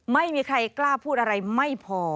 ไม่มีใครกล้าพูดอะไรไม่พอ